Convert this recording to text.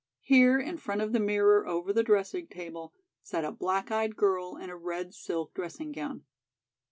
Here, in front of the mirror over the dressing table, sat a black eyed girl in a red silk dressing gown.